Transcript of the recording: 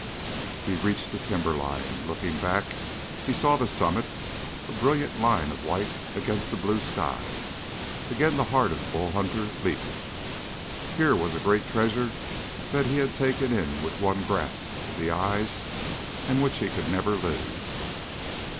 He reached the timberline. Looking back, he saw the summit, a brilliant line of white against a blue sky. Again the heart of Bull Hunter leaped. Here was a great treasure that he had taken in with one grasp of the eyes and which he could never lose!